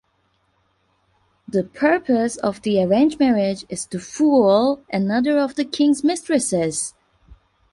The purpose of the arranged marriage is to fool another of the King's mistresses.